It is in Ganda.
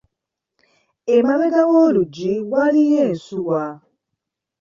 Emabega w’oluggi waliiyo ensuwa.